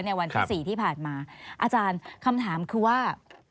วันที่๔ที่ผ่านมาอาจารย์คำถามคือว่า